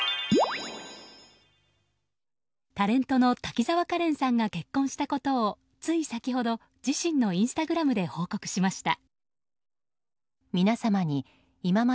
タレントの滝沢カレンさんが結婚したことをつい先ほど自身のインスタグラムで報告しました。